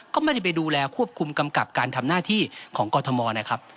ก็ไม่ได้ไปดูแลควบคุมกำกับการทำหน้าที่ของกรทมนะครับ